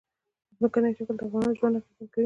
ځمکنی شکل د افغانانو ژوند اغېزمن کوي.